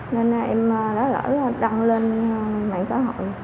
nên em đã gỡ đăng lên mạng xã hội